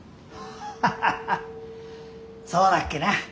ハハハッそうだっけな。